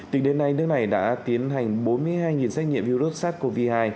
tính đến nay nước này đã tiến hành bốn mươi hai xét nghiệm virus sars cov hai